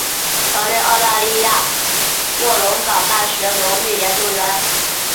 曾任澳大利亚卧龙岗大学荣誉研究员。